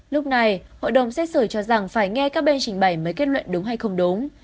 lúc này hội đồng xét xử cho rằng phải nghe các bên trình bày mới kết luận đúng hay không đúng